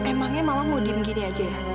emangnya mama mau diem gini aja ya